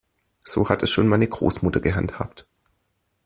So hat es schon meine Großmutter gehandhabt.